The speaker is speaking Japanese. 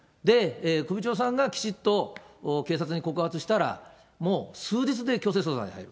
首長さんがきちっと警察に告発したら、もう数日で強制捜査に入る。